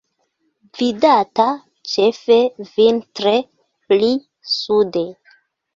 Vidata ĉefe vintre pli sude.